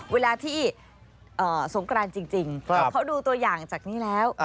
เวลาที่สงกรานจริงเขาดูตัวอย่างจากนี้แล้ว